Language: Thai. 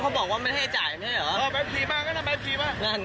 เขาบอกว่าไม่ให้จ่ายไม่ใช่เหรอ